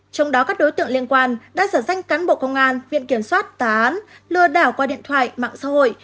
trong đó các đối tượng liên quan đã giả danh cán bộ công an viện kiểm soát tà án lừa đảo qua điện thoại mạng xã hội